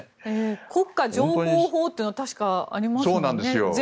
国家情報法というのが確かありますからね。